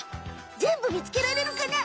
全部見つけられるかな？